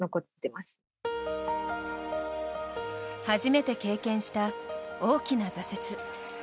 初めて経験した大きな挫折。